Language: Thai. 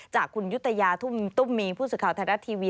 จากคุณยุธยาตุ้มมีผู้สื่อข่าวไทยรัฐทีวี